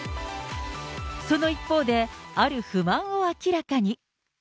その一方で、ある不満を明らかに。